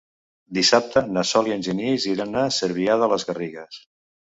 Dissabte na Sol i en Genís iran a Cervià de les Garrigues.